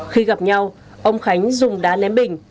khi gặp nhau ông khánh dùng đá ném bình